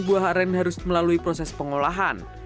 buah aren harus melalui proses pengolahan